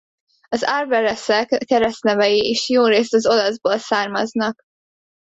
Az arberesek keresztnevei is jórészt az olaszból származnak.